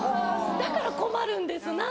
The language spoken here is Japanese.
だから困るんです